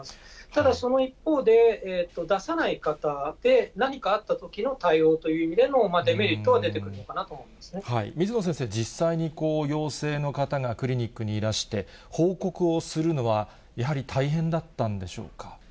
ただ、その一方で、出さない方で、何かあったときの対応という意味でのデメリットは出てくるのかな水野先生、実際に陽性の方がクリニックにいらして、報告をするのは、やはり大変だったんでしょうか。